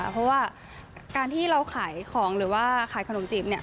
เพราะว่าการที่เราขายของหรือว่าขายขนมจีบเนี่ย